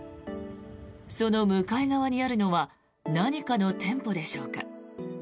その向かい側にあるのは何かの店舗でしょうか。